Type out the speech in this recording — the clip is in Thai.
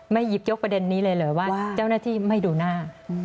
หยิบยกประเด็นนี้เลยเหรอว่าเจ้าหน้าที่ไม่ดูหน้า